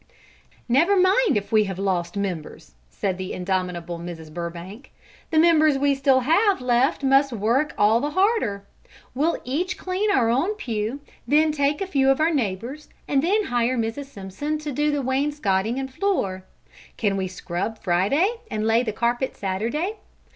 "Never mind if we have lost members!" said the indomitable Mrs. Burbank. "The members we still have left must work all the harder. We'll each clean our own pew, then take a few of our neighbours', and then hire Mrs. Simpson to do the wainscoting and floor. Can we scrub Friday and lay the carpet Saturday?